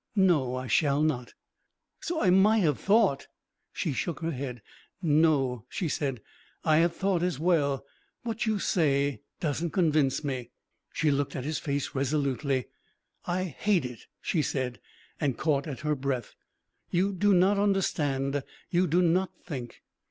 "No, I shall not." "So I might have thought " She shook her head. "No," she said, "I have thought as well. What you say doesn't convince me." She looked at his face resolutely. "I hate it," she said, and caught at her breath. "You do not understand, you do not think.